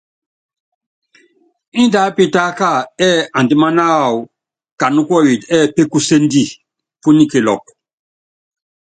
Índɛ aápitáka ɛɛ́ andiman wawɔ kanyikuɔyit ɛɛ́ pékusendi, punyi kilɔk.